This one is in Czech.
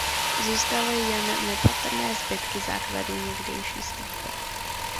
Zůstaly jen nepatrné zbytky základů někdejší stavby.